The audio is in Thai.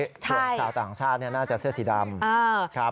ส่วนชาวต่างชาติน่าจะเสื้อสีดำ